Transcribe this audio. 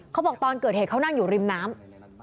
เขาบอกตอนเกิดเหตุเขานั่งอยู่ริมน้ำ